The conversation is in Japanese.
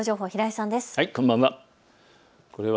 こんばんは。